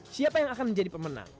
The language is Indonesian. siapa yang akan menjadi pemenang